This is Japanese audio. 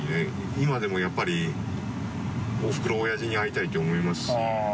今でもやっぱりおふくろおやじに会いたいと思いますし。